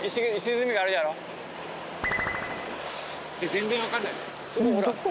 全然分かんない。